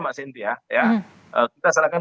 mbak sinti ya kita serahkan